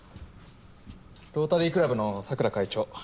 ロータリークラブの佐倉会長。